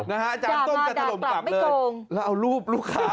อาจารย์ต้นจะถล่มกลับเลยแล้วเอารูปลูกค้า